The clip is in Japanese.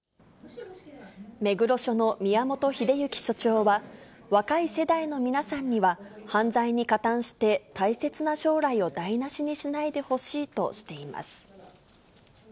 目黒署の宮本英行署長は、若い世代の皆さんには、犯罪に加担して、大切な将来を台なしにしないでほしいとしています。